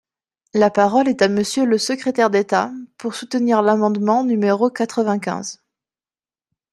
La parole est à Monsieur le secrétaire d’État, pour soutenir l’amendement numéro quatre-vingt-quinze.